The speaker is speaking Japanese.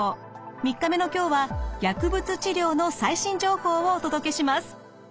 ３日目の今日は薬物治療の最新情報をお届けします。